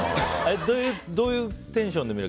どういうテンションで見るの？